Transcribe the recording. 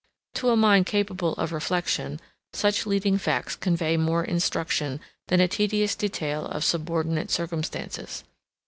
28 To a mind capable of reflection, such leading facts convey more instruction, than a tedious detail of subordinate circumstances.